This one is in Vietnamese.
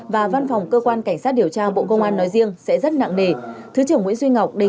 và văn phòng cơ quan cảnh sát điều tra bộ công an nói riêng sẽ rất nặng nề thứ trưởng nguyễn duy ngọc đề